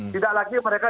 tidak lagi mereka